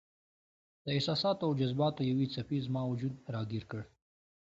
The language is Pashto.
د احساساتو او جذباتو یوې څپې زما وجود راګیر کړ.